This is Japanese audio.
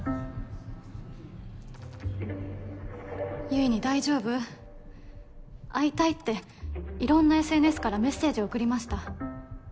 結衣に「大丈夫？」「会いたい」っていろんなＳＮＳからメッセージを送りました。